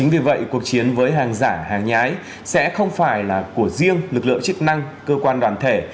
vì vậy cuộc chiến với hàng giả hàng nhái sẽ không phải là của riêng lực lượng chức năng cơ quan đoàn thể